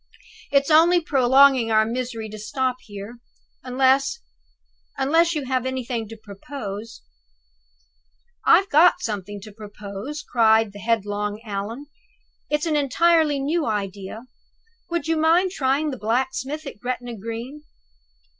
"It's only prolonging our misery to stop here, unless unless you have anything to propose?" "I've got something to propose," cried the headlong Allan. "It's an entirely new idea. Would you mind trying the blacksmith at Gretna Green?"